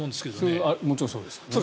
それはもちろんそうですね。